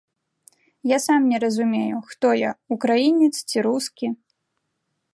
Я сам не разумею, хто я, украінец ці рускі.